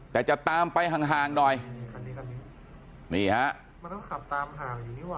แต่จะตามไปห่างหน่อยมันต้องขับตามห่างอยู่นี่หวะ